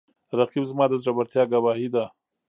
رقیب زما د زړورتیا ګواهي ده